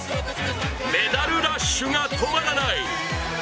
メダルラッシュが止まらない。